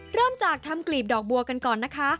เริ่มจากทำกลีบดอกบัวกันก่อนนะคะ